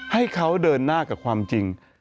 ให้เขาเดินหน้ากับความจริง